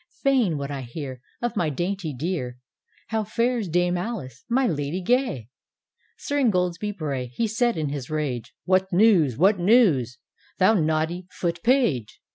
Fain would I hear Of my dainty dearj How fares Dame Alice, my Lady gay? "— Sir Ingoldsby Bray, he said in his rage, "What news? what news? thou naughty Foot page."